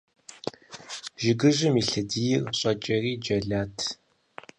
Жыгыжьым и лъэдийр щӀэчэри джэлат.